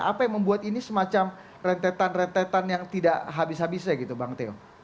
apa yang membuat ini semacam rentetan rentetan yang tidak habis habisnya gitu bang teo